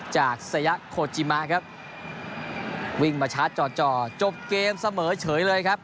จากสยะโคจิมะครับวิ่งมาชาร์จ่อจบเกมเสมอเฉยเลยครับ